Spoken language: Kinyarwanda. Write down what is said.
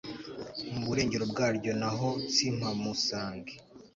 mu burengero bwaryo na ho, simpamusange